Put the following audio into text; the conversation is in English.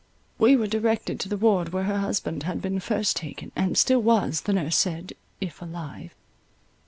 We were directed to the ward where her husband had been first taken, and still was, the nurse said, if alive.